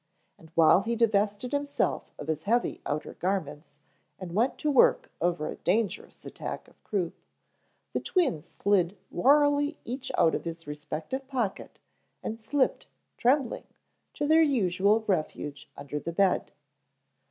And while he divested himself of his heavy outer garments and went to work over a dangerous attack of croup, the twins slid warily each out of his respective pocket and slipped, trembling, to their usual refuge under the bed.